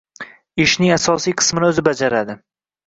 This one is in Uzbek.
ishning asosiy qismini o‘zi bajaradi.